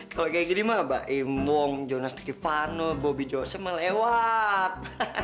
kalau kayak gini mah mbak imwong jonas trivano bobby joseph melewat